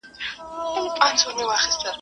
بده ورځ کله کله وي.